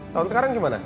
tahun sekarang gimana